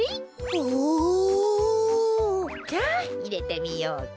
おお！じゃあいれてみようか。